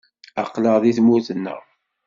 Aql-aɣ deg tmurt-nneɣ.